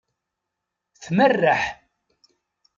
Tmerreḥ.